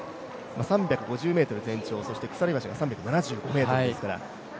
３５０ｍ全長、鎖橋が３７５ｍですから。